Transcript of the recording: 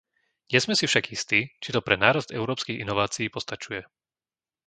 Nie sme si však istí, či to pre nárast európskych inovácií postačuje.